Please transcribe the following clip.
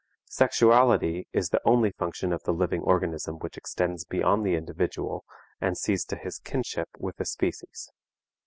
Sexuality is the only function of the living organism which extends beyond the individual and sees to his kinship with the species.